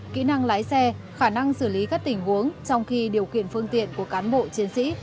kỹ năng lái xe khả năng xử lý các tình huống trong khi điều kiện phương tiện của cán bộ chiến sĩ